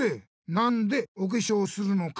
「なんでおけしょうするのか」